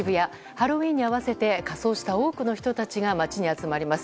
ハロウィーンに合わせて仮装した多くの人たちが街に集まります。